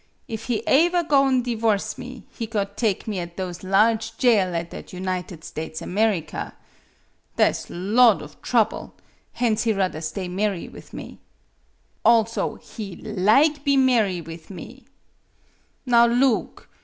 If he aever go'n' divorce me, he got take me at those large jail at that United States America. Tha' 's lot of trouble; hence he rather stay marry with me. Also, he lig be marry with me. Now loog!